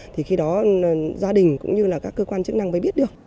thì khi đó gia đình cũng như là các cơ quan chức năng mới biết được